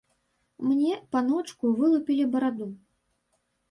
Мне, паночку, вылупілі бараду.